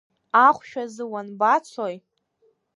Ахәшә азы уанбацои?